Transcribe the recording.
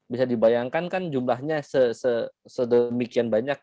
bisa dibayangkan kan jumlahnya sedemikian banyak